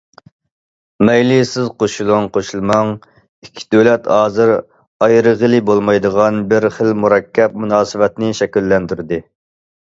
مەيلى سىز قوشۇلۇڭ قوشۇلماڭ ئىككى دۆلەت ھازىر ئايرىغىلى بولمايدىغان بىر خىل مۇرەككەپ مۇناسىۋەتنى شەكىللەندۈردى.